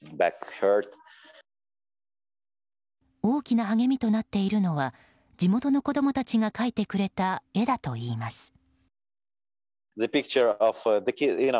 大きな励みとなっているのは地元の子供たちが描いてくれた絵だといいます。